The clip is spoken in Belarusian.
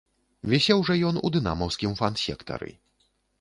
Вісеў жа ён у дынамаўскім фан-сектары.